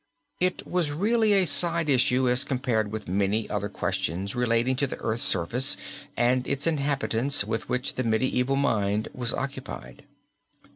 It was really a side issue as compared with many other questions relating to the earth's surface and its inhabitants with which the medieval mind was occupied.